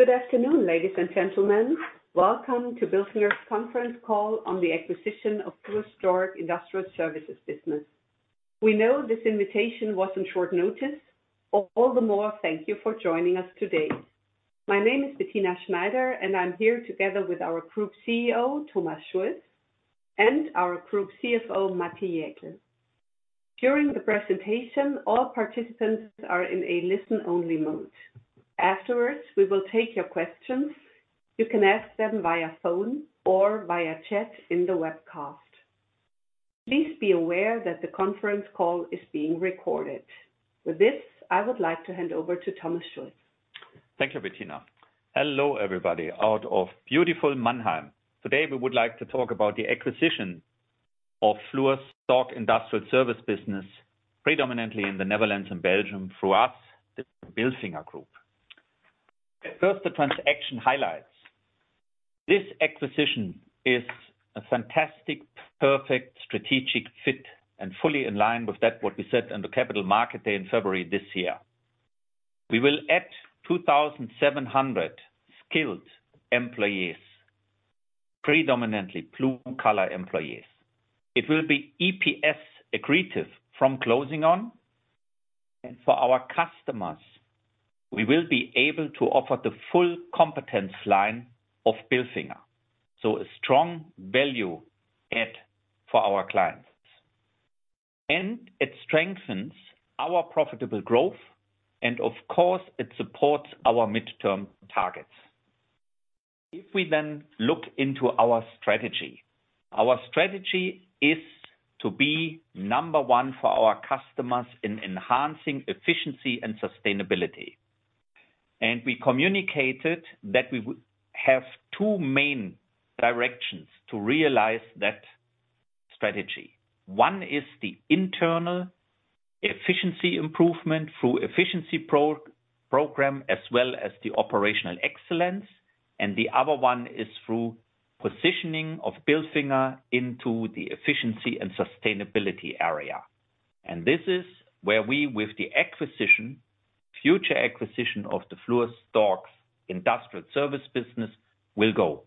Good afternoon, ladies and gentlemen. Welcome to Bilfinger's Conference Call on the acquisition of Fluor's Stork Industrial Services business. We know this invitation was on short notice. All the more, thank you for joining us today. My name is Bettina Schneider, and I'm here together with our Group CEO, Thomas Schulz, and our Group CFO, Matti Jäkel. During the presentation, all participants are in a listen-only mode. Afterwards, we will take your questions. You can ask them via phone or via chat in the webcast. Please be aware that the conference call is being recorded. With this, I would like to hand over to Thomas Schulz. Thank you, Bettina. Hello, everybody, out of beautiful Mannheim. Today, we would like to talk about the acquisition of Fluor's Stork Industrial Services business, predominantly in the Netherlands and Belgium, through us, the Bilfinger Group. First, the transaction highlights. This acquisition is a fantastic, perfect strategic fit and fully in line with that, what we said on the Capital Markets Day in February this year. We will add 2,700 skilled employees, predominantly blue-collar employees. It will be EPS accretive from closing on, and for our customers, we will be able to offer the full competence line of Bilfinger, so a strong value add for our clients. And it strengthens our profitable growth, and of course, it supports our midterm targets. If we then look into our strategy, our strategy is to be number one for our customers in enhancing efficiency and sustainability. We communicated that we have two main directions to realize that strategy. One is the internal efficiency improvement through efficiency program, as well as the operational excellence, and the other one is through positioning of Bilfinger into the efficiency and sustainability area. This is where we, with the acquisition, future acquisition of Fluor's Stork Industrial Service business, will go.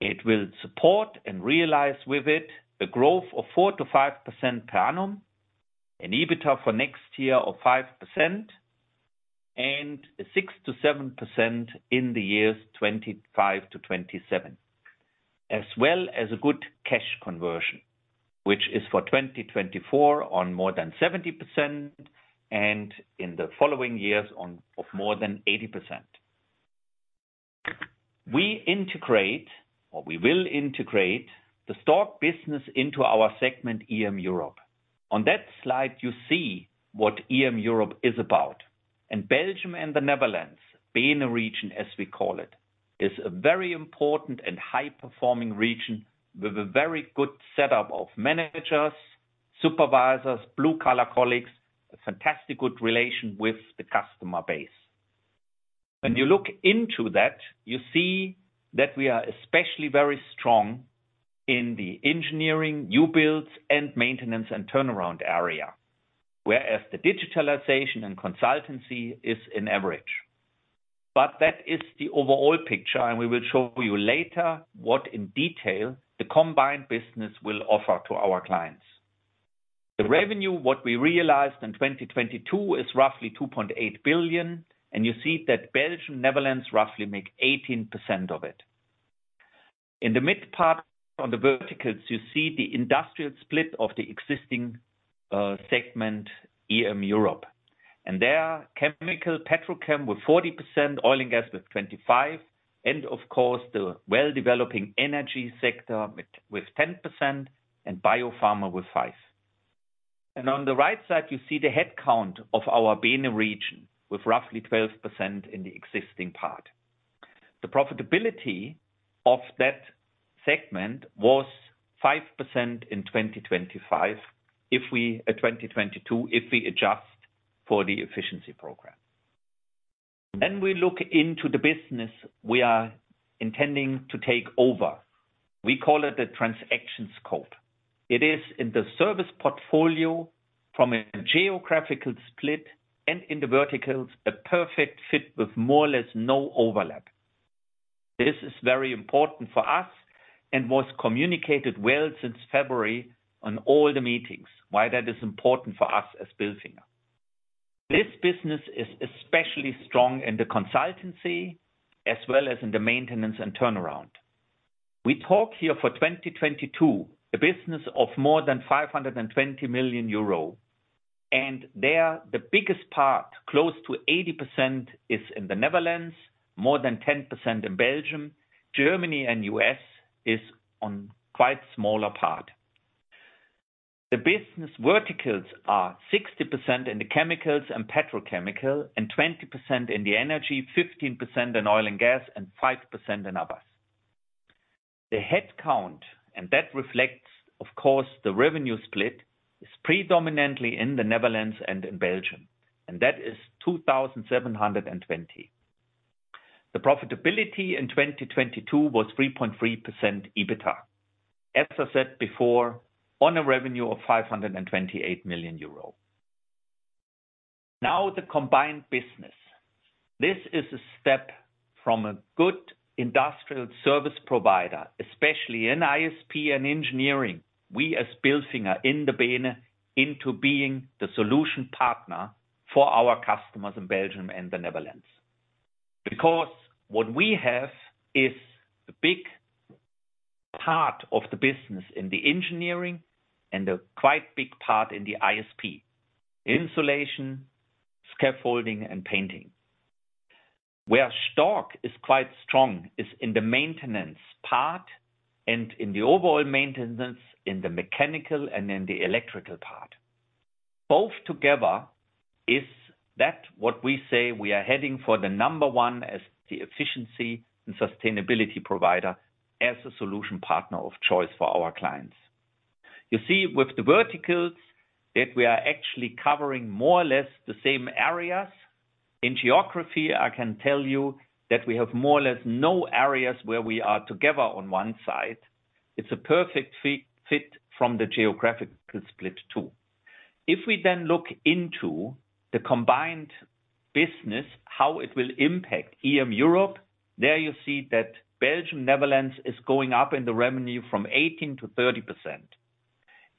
It will support and realize with it a growth of 4%-5% per annum, an EBITDA for next year of 5%, and a 6%-7% in the years 2025-2027, as well as a good cash conversion, which is for 2024 on more than 70%, and in the following years of more than 80%. We integrate, or we will integrate the Stork business into our segment, EM Europe. On that slide, you see what EM Europe is about, and Belgium and the Netherlands, BeNe region, as we call it, is a very important and high-performing region with a very good setup of managers, supervisors, blue-collar colleagues, a fantastic good relation with the customer base. When you look into that, you see that we are especially very strong in the engineering, new builds, and maintenance and turnaround area, whereas the digitalization and consultancy is in average. But that is the overall picture, and we will show you later what in detail the combined business will offer to our clients. The revenue, what we realized in 2022, is roughly 2.8 billion, and you see that Belgium, Netherlands, roughly make 18% of it. In the mid part on the verticals, you see the industrial split of the existing segment, EM Europe, and there, chemical, petrochem with 40%, oil and gas with 25, and of course, the well-developing energy sector with 10% and biopharma with five. And on the right side, you see the headcount of our BeNe region, with roughly 12% in the existing part. The profitability of that segment was 5% in 2022 if we adjust for the efficiency program. Then we look into the business we are intending to take over. We call it the transactions scope. It is in the service portfolio from a geographical split and in the verticals, a perfect fit with more or less no overlap. This is very important for us and was communicated well since February on all the meetings, why that is important for us as Bilfinger. This business is especially strong in the consultancy as well as in the maintenance and turnaround. We talk here for 2022, a business of more than 520 million euro, and there, the biggest part, close to 80%, is in the Netherlands, more than 10% in Belgium, Germany and U.S. is on quite smaller part. The business verticals are 60% in the chemicals and petrochemical, and 20% in the energy, 15% in oil and gas, and 5% in others. The headcount, and that reflects, of course, the revenue split, is predominantly in the Netherlands and in Belgium, and that is 2,720. The profitability in 2022 was 3.3% EBITDA. As I said before, on a revenue of 528 million euro.... Now the combined business. This is a step from a good industrial service provider, especially in ISP and engineering. We, as Bilfinger, in the BeNe into being the solution partner for our customers in Belgium and the Netherlands. Because what we have is a big part of the business in the engineering and a quite big part in the ISP: insulation, scaffolding, and painting. Where Stork is quite strong is in the maintenance part and in the overall maintenance, in the mechanical and in the electrical part. Both together, is that what we say we are heading for the number one as the efficiency and sustainability provider, as a solution partner of choice for our clients. You see, with the verticals, that we are actually covering more or less the same areas. In geography, I can tell you that we have more or less no areas where we are together on one side. It's a perfect fit, fit from the geographical split, too. If we then look into the combined business, how it will impact EM Europe, there you see that Belgium, Netherlands, is going up in the revenue from 18%-30%. And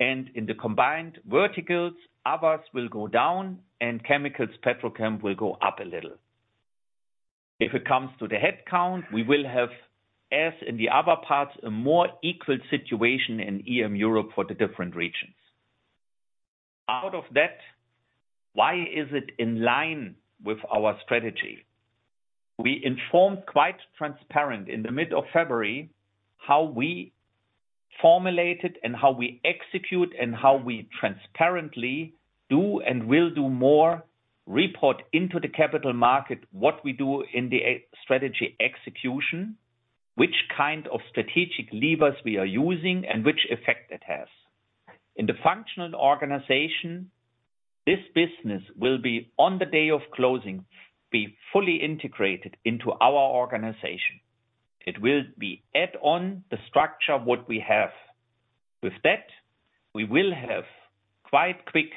in the combined verticals, others will go down and chemicals, petrochem will go up a little. If it comes to the headcount, we will have, as in the other parts, a more equal situation in EM Europe for the different regions. Out of that, why is it in line with our strategy? We informed quite transparently in the middle of February how we formulate it and how we execute, and how we transparently do and will do more reporting into the capital market, what we do in the strategy execution. Which kind of strategic levers we are using and which effect it has. In the functional organization, this business will be, on the day of closing, fully integrated into our organization. It will be add-on to the structure of what we have. With that, we will have a quite quick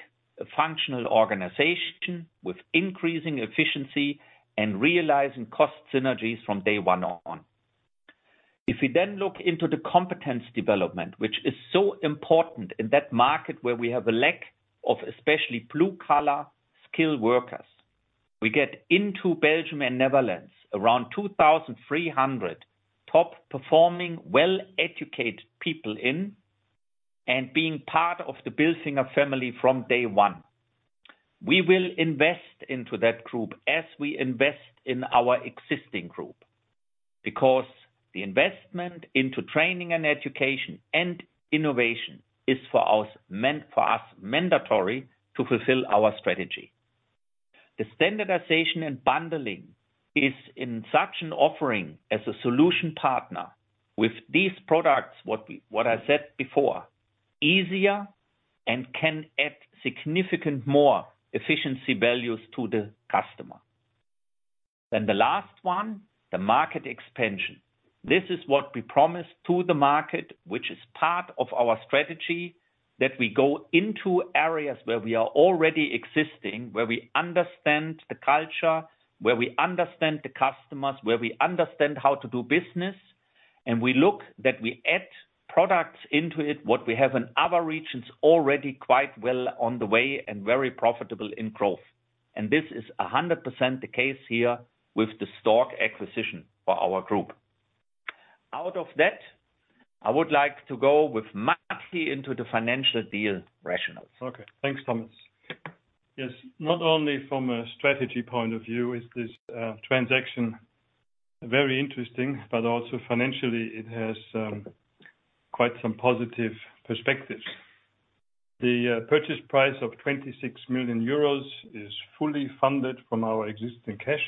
functional organization with increasing efficiency and realizing cost synergies from day one. If we then look into the competence development, which is so important in that market where we have a lack of especially blue-collar skilled workers, we get into Belgium and Netherlands, around 2,300 top-performing, well-educated people in, and being part of the Bilfinger family from day one. We will invest into that group as we invest in our existing group, because the investment into training and education and innovation is for us, mandatory to fulfill our strategy. The standardization and bundling is in such an offering as a solution partner with these products, what we, what I said before, easier and can add significant more efficiency values to the customer. Then the last one, the market expansion. This is what we promised to the market, which is part of our strategy, that we go into areas where we are already existing, where we understand the culture, where we understand the customers, where we understand how to do business. We look that we add products into it, what we have in other regions already quite well on the way and very profitable in growth. This is 100% the case here with the Stork acquisition for our group. Out of that, I would like to go with Matti into the financial deal rationales. Okay, thanks, Thomas. Yes, not only from a strategy point of view is this transaction very interesting, but also financially, it has quite some positive perspectives. The purchase price of 26 million euros is fully funded from our existing cash.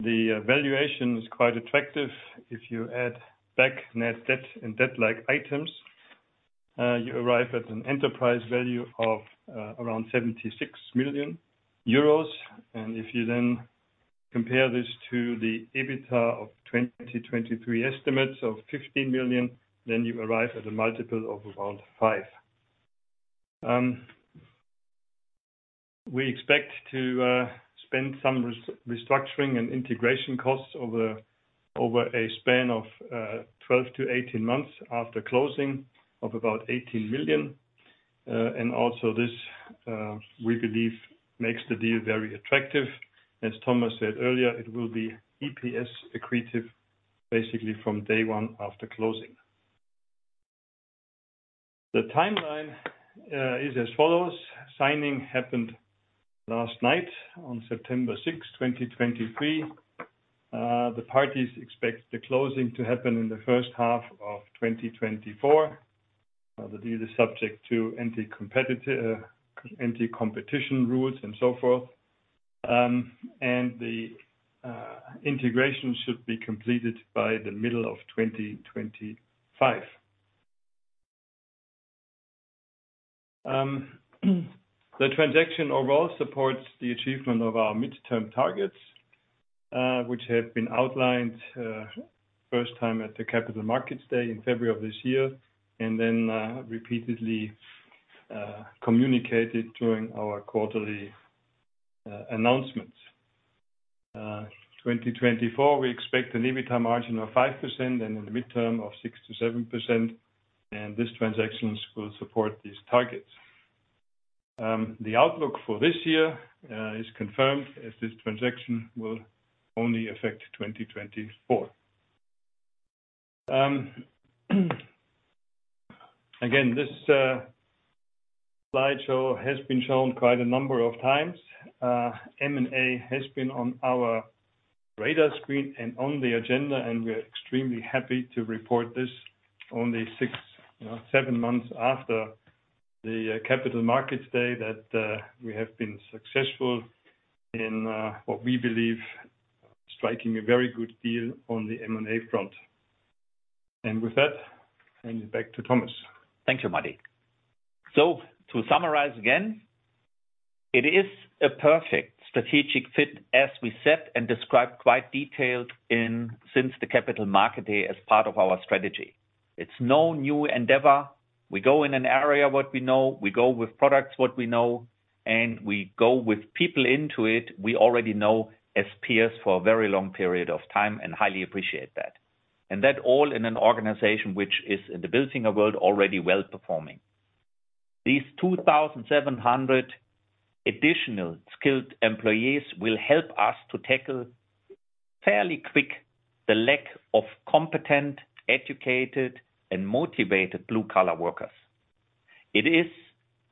The valuation is quite attractive if you add back net debt and debt-like items, you arrive at an enterprise value of around 76 million euros. And if you then compare this to the EBITDA of 2023 estimates of 15 million, then you arrive at a multiple of around five. We expect to spend some restructuring and integration costs over a span of 12 months-18 months after closing, of about 18 million. And also this we believe makes the deal very attractive. As Thomas said earlier, it will be EPS accretive, basically from day one after closing. The timeline is as follows: signing happened last night on September 6th, 2023. The parties expect the closing to happen in the first half of 2024. The deal is subject to anti-competition rules and so forth. And the integration should be completed by the middle of 2025. The transaction overall supports the achievement of our midterm targets, which have been outlined first time at the Capital Markets Day in February of this year, and then repeatedly communicated during our quarterly announcements. 2024, we expect an EBITDA margin of 5%, and in the midterm of 6%-7%, and this transaction will support these targets. The outlook for this year is confirmed, as this transaction will only affect 2024. Again, this slideshow has been shown quite a number of times. M&A has been on our radar screen and on the agenda, and we are extremely happy to report this only six, you know, seven months after the Capital Markets Day, that we have been successful in what we believe striking a very good deal on the M&A front. And with that, hand it back to Thomas. Thank you, Matti. So to summarize again, it is a perfect strategic fit, as we said and described quite detailed since the Capital Markets Day as part of our strategy. It's no new endeavor. We go in an area what we know, we go with products what we know, and we go with people into it we already know as peers for a very long period of time, and highly appreciate that. And that all in an organization which is in the Bilfinger world, already well-performing. These 2,700 additional skilled employees will help us to tackle fairly quick, the lack of competent, educated, and motivated blue-collar workers. It is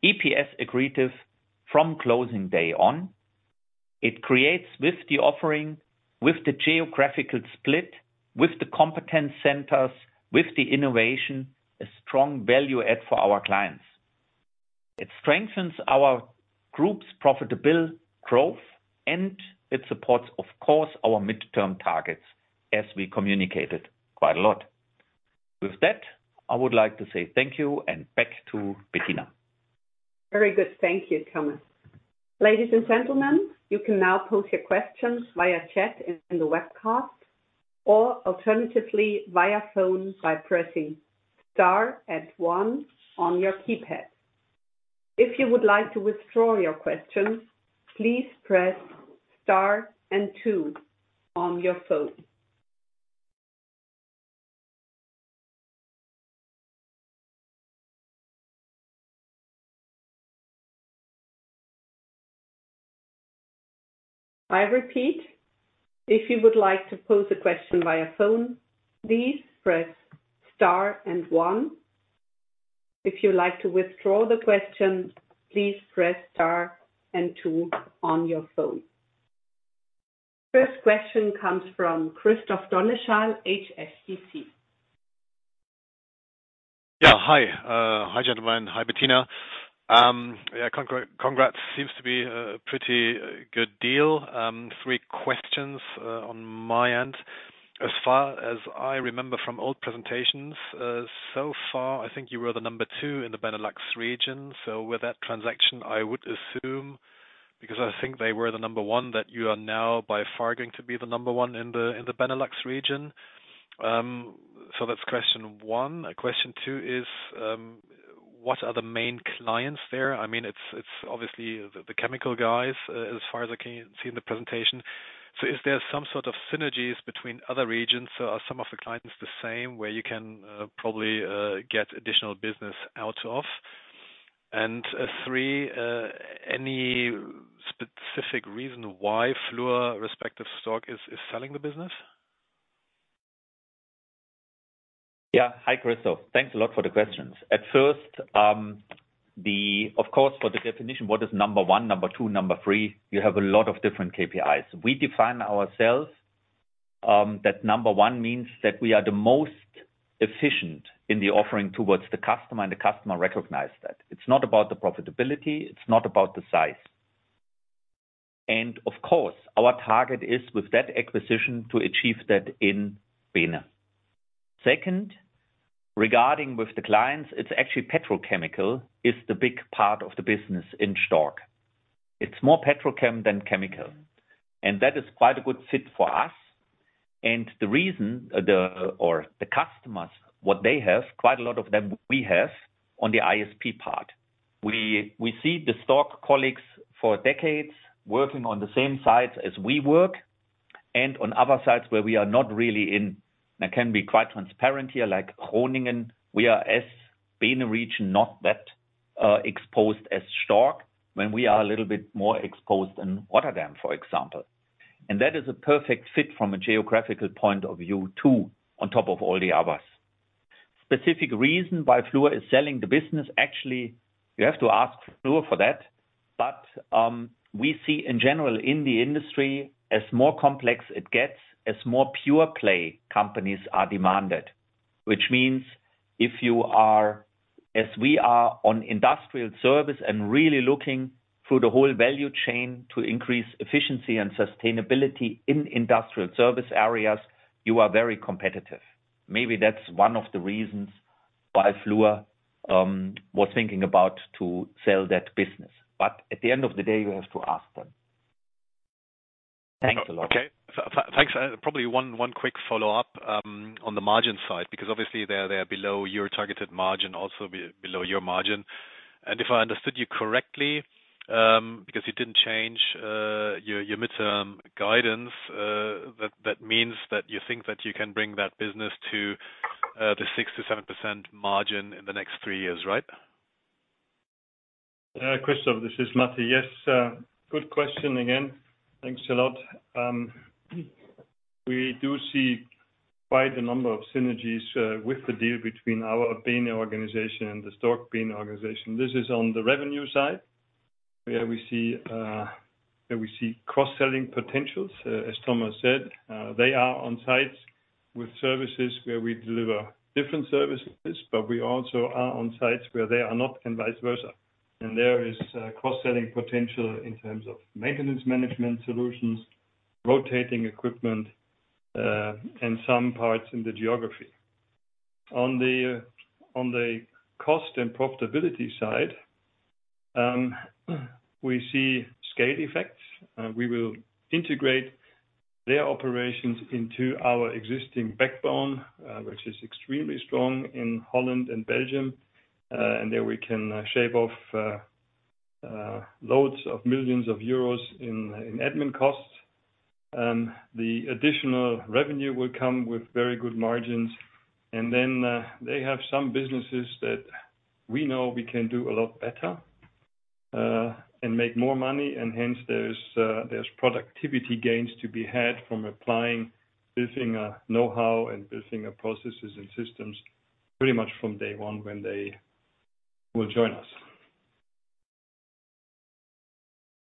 EPS accretive from closing day on. It creates with the offering, with the geographical split, with the competent centers, with the innovation, a strong value add for our clients. It strengthens our group's profitable growth, and it supports, of course, our midterm targets as we communicated quite a lot. With that, I would like to say thank you, and back to Bettina. Very good. Thank you, Thomas. Ladies and gentlemen, you can now pose your questions via chat in the webcast, or alternatively, via phone by pressing star and one on your keypad. If you would like to withdraw your question, please press star and two on your phone. I repeat, if you would like to pose a question via phone, please press star and one. If you'd like to withdraw the question, please press star and two on your phone. First question comes from Christoph Dolleschal, HSBC. Yeah, hi. Hi, gentlemen. Hi, Bettina. Yeah, congrats. Seems to be a pretty good deal. Three questions on my end. As far as I remember from old presentations, so far, I think you were the number two in the Benelux region. So with that transaction, I would assume, because I think they were the number one, that you are now by far going to be the number one in the Benelux region. So that's question one. Question two is, what are the main clients there? I mean, it's obviously the chemical guys, as far as I can see in the presentation. So is there some sort of synergies between other regions? So are some of the clients the same, where you can probably get additional business out of? Three, any specific reason why Fluor respective Stork is selling the business? Yeah. Hi, Christoph. Thanks a lot for the questions. At first, of course, for the definition, what is number one, number two, number three, you have a lot of different KPIs. We define ourselves that number one means that we are the most efficient in the offering towards the customer, and the customer recognize that. It's not about the profitability, it's not about the size. And of course, our target is with that acquisition to achieve that in BeNe. Second, regarding with the clients, it's actually petrochemical is the big part of the business in Stork. It's more petrochem than chemical, and that is quite a good fit for us. And the reason, or the customers, what they have, quite a lot of them we have on the ISP part. We see the Stork colleagues for decades working on the same sites as we work, and on other sites where we are not really in, and can be quite transparent here, like Groningen, we are, as BeNe region, not that exposed as Stork, when we are a little bit more exposed in Rotterdam, for example. That is a perfect fit from a geographical point of view, too, on top of all the others. Specific reason why Fluor is selling the business, actually, you have to ask Fluor for that. We see in general in the industry, as more complex it gets, as more pure play companies are demanded. Which means if you are, as we are, on industrial service and really looking through the whole value chain to increase efficiency and sustainability in industrial service areas, you are very competitive. Maybe that's one of the reasons why Fluor was thinking about to sell that business. But at the end of the day, you have to ask them. Thanks a lot. Okay. Thanks. Probably one quick follow-up on the margin side, because obviously they are, they are below your targeted margin, also below your margin. And if I understood you correctly, because you didn't change your midterm guidance, that means that you think that you can bring that business to the 6%-7% margin in the next three years, right? Christoph, this is Matti. Yes, good question again. Thanks a lot. We do see quite a number of synergies, with the deal between our BeNe organization and the Stork BeNe organization. This is on the revenue side, where we see, where we see cross-selling potentials. As Thomas said, they are on sites with services where we deliver different services, but we also are on sites where they are not, and vice versa. There is cross-selling potential in terms of maintenance management solutions, rotating equipment, and some parts in the geography. On the cost and profitability side, we see scale effects. We will integrate their operations into our existing backbone, which is extremely strong in Holland and Belgium, and there we can shave off loads of millions of EUR in admin costs. The additional revenue will come with very good margins. And then, they have some businesses that we know we can do a lot better, and make more money, and hence there's productivity gains to be had from applying Bilfinger know-how and Bilfinger processes and systems pretty much from day one when they will join us.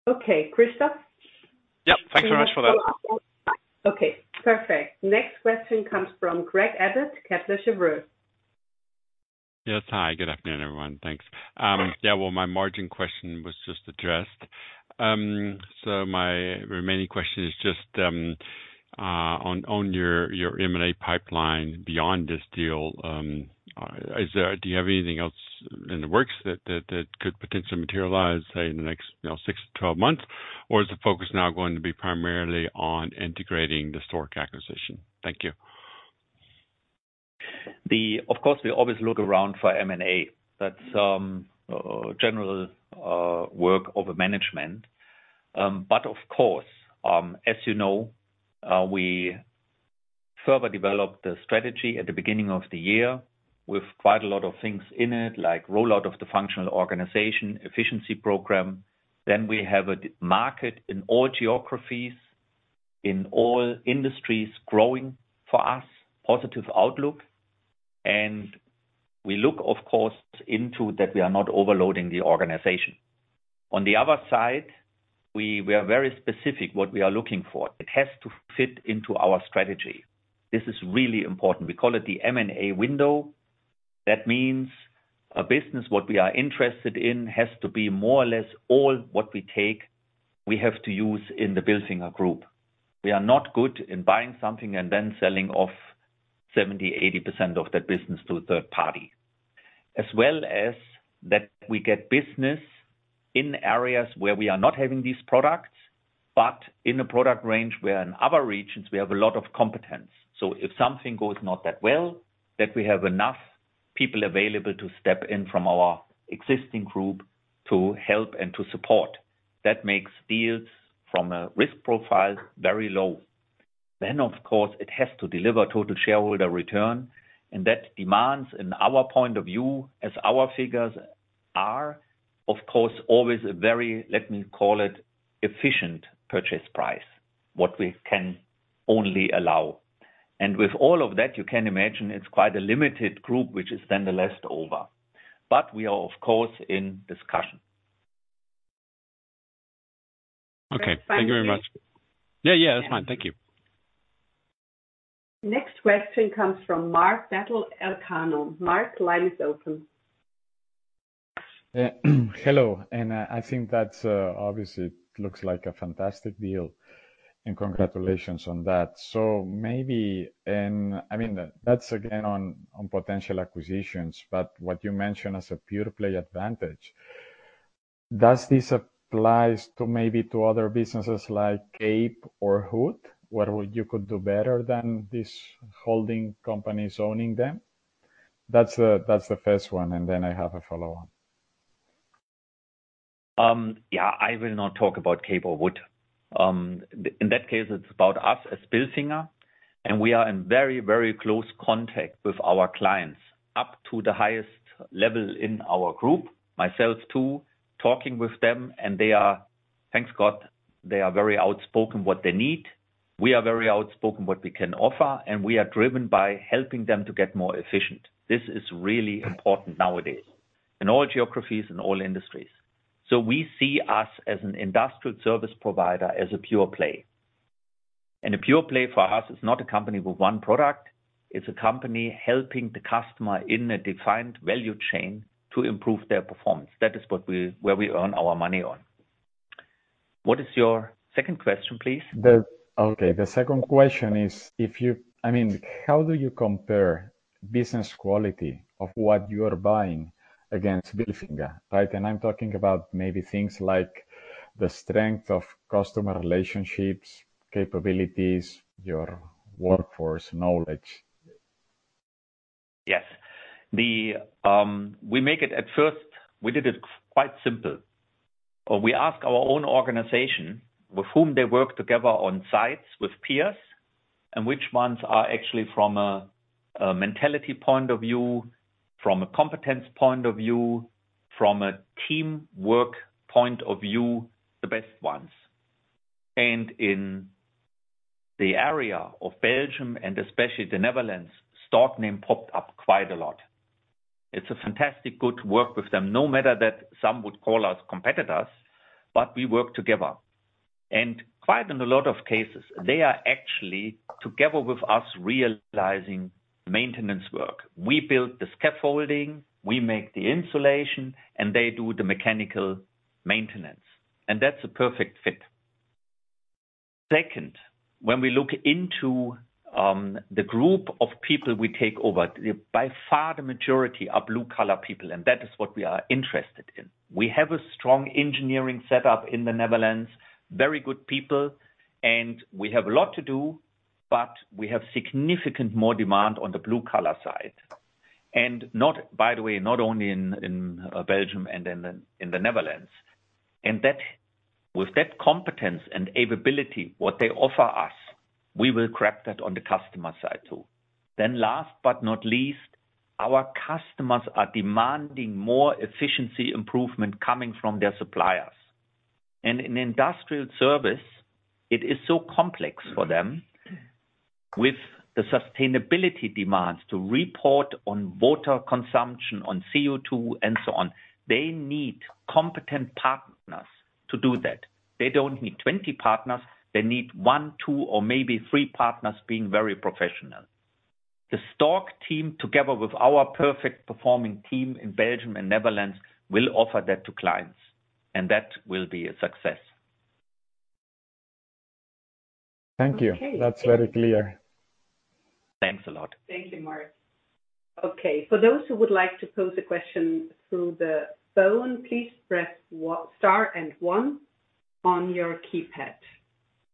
Okay, Christoph? Yep. Thanks very much for that. Okay, perfect. Next question comes from Craig Abbott, Kepler Cheuvreux. Yes, hi. Good afternoon, everyone. Thanks. Yeah, well, my margin question was just addressed. So my remaining question is just on, on your, your M&A pipeline beyond this deal. Is there, do you have anything else in the works that, that, that could potentially materialize, say, in the next, you know, six months-12 months? Or is the focus now going to be primarily on integrating the Stork acquisition? Thank you. Of course, we always look around for M&A. That's general work of management. But of course, as you know, we further developed the strategy at the beginning of the year with quite a lot of things in it, like rollout of the functional organization efficiency program. Then we have demand in all geographies, in all industries, growing for us, positive outlook. And we look, of course, into that we are not overloading the organization. On the other side, we are very specific what we are looking for. It has to fit into our strategy. This is really important. We call it the M&A window. That means a business, what we are interested in, has to be more or less all what we take, we have to use in the Bilfinger group. We are not good in buying something and then selling off 70%-80% of that business to a third party. As well as that, we get business in areas where we are not having these products, but in a product range where in other regions we have a lot of competence. So if something goes not that well, that we have enough people available to step in from our existing group to help and to support. That makes deals from a risk profile, very low. Then, of course, it has to deliver total shareholder return, and that demands, in our point of view, as our figures are, of course, always a very, let me call it, efficient purchase price, what we can only allow. And with all of that, you can imagine it's quite a limited group, which is then the last over. But we are, of course, in discussion. Okay. Thank you very much. Next question- Yeah, yeah, that's fine. Thank you. Next question comes from Marc Batlle, Elcano. Marc, the line is open. Yeah. Hello, and I think that's obviously looks like a fantastic deal, and congratulations on that. So maybe, and I mean, that's again, on potential acquisitions, but what you mentioned as a pure play advantage, does this applies to maybe to other businesses like Cape or Wood, where you could do better than this holding companies owning them? That's the first one, and then I have a follow-on. Yeah, I will not talk about Cape or Wood. In that case, it's about us as Bilfinger, and we are in very, very close contact with our clients, up to the highest level in our group, myself, too, talking with them, and they are, thank God, they are very outspoken what they need. We are very outspoken what we can offer, and we are driven by helping them to get more efficient. This is really important nowadays in all geographies and all industries. So we see us as an industrial service provider, as a pure play. And a pure play for us is not a company with one product, it's a company helping the customer in a defined value chain to improve their performance. That is what we—where we earn our money on. What is your second question, please? The second question is: if you—I mean, how do you compare business quality of what you are buying against Bilfinger, right? And I'm talking about maybe things like the strength of customer relationships, capabilities, your workforce knowledge. Yes. We make it at first, we did it quite simple. We ask our own organization with whom they work together on sites with peers, and which ones are actually from a mentality point of view, from a competence point of view, from a teamwork point of view, the best ones. And in the area of Belgium, and especially the Netherlands, Stork name popped up quite a lot. It's a fantastic, good work with them, no matter that some would call us competitors, but we work together. And quite in a lot of cases, they are actually, together with us, realizing maintenance work. We build the scaffolding, we make the insulation, and they do the mechanical maintenance, and that's a perfect fit. Second, when we look into the group of people we take over, by far, the majority are blue-collar people, and that is what we are interested in. We have a strong engineering setup in the Netherlands, very good people, and we have a lot to do, but we have significant more demand on the blue-collar side. And not, by the way, not only in Belgium and in the Netherlands. And that, with that competence and availability, what they offer us, we will grab that on the customer side, too. Then last but not least, our customers are demanding more efficiency improvement coming from their suppliers. And in industrial service, it is so complex for them with the sustainability demands to report on water consumption, on CO2, and so on. They need competent partners to do that. They don't need 20 partners. They need one, two, or maybe three partners being very professional. The Stork team, together with our perfect performing team in Belgium and Netherlands, will offer that to clients, and that will be a success. Thank you. Okay. That's very clear. Thanks a lot. Thank you, Marc. Okay, for those who would like to pose a question through the phone, please press star and one on your keypad.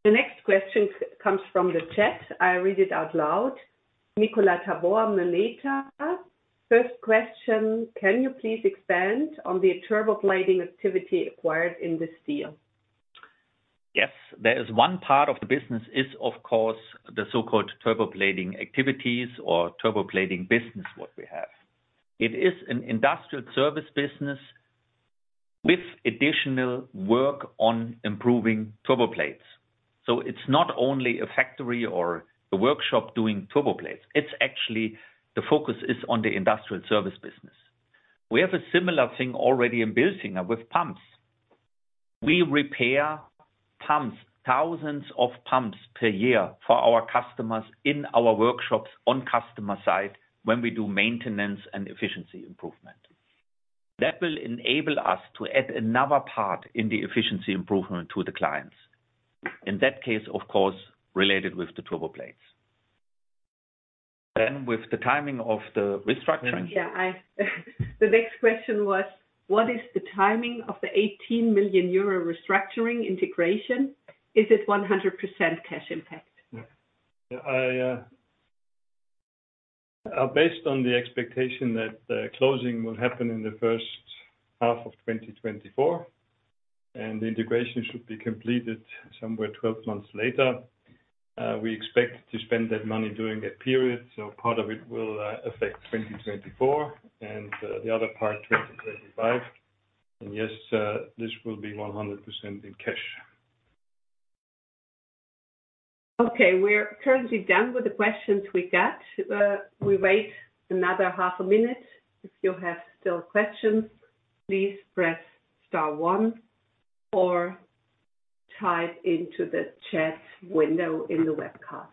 The next question comes from the chat. I'll read it out loud. Nikolas Demeter. First question: Can you please expand on the Turbo Blading activity acquired in this deal? Yes. There is one part of the business is, of course, the so-called Turbo Blading activities or Turbo Blading business, what we have. It is an industrial service business with additional work on improving turbo blades. So it's not only a factory or a workshop doing turbo blades, it's actually, the focus is on the industrial service business. We have a similar thing already in Bilfinger with pumps. We repair pumps, thousands of pumps per year, for our customers in our workshops on customer site when we do maintenance and efficiency improvement. That will enable us to add another part in the efficiency improvement to the clients. In that case, of course, related with the turbo blades. Then with the timing of the restructuring- Yeah, the next question was: What is the timing of the 18 million euro restructuring integration? Is it 100% cash impact? Yeah. I, based on the expectation that the closing will happen in the first half of 2024, and the integration should be completed somewhere 12 months later, we expect to spend that money during that period. So part of it will affect 2024 and the other part, 2025. And yes, this will be 100% in cash. Okay, we're currently done with the questions we got. We wait another half a minute. If you have still questions, please press star one or type into the chat window in the webcast.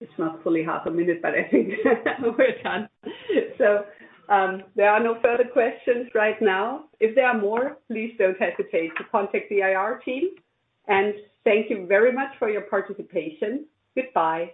It's not fully half a minute, but I think we're done. There are no further questions right now. If there are more, please don't hesitate to contact the IR team, and thank you very much for your participation. Goodbye.